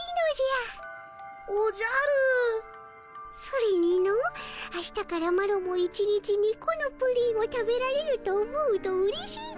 それにの明日からマロも１日２このプリンを食べられると思うとうれしい。